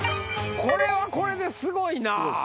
これはこれですごいなぁ。